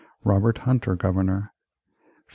Robert Hunter Governor 1711.